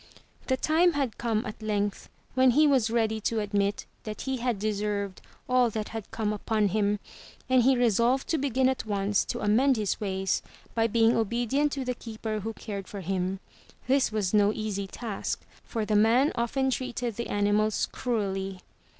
The time had come at length, when he was ready to admit that he had deserved all that had come upon him, and he re solved to begin at once to amend his ways by being obedient to the keeper who cared for him. This was no easy task, for the man often treated the animals cruelly.